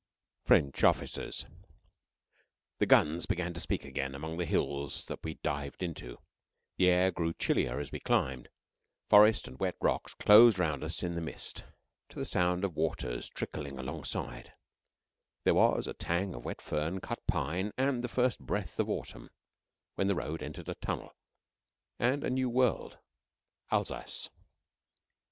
FRENCH OFFICERS The guns began to speak again among the hills that we dived into; the air grew chillier as we climbed; forest and wet rocks closed round us in the mist, to the sound of waters trickling alongside; there was a tang of wet fern, cut pine, and the first breath of autumn when the road entered a tunnel and a new world Alsace.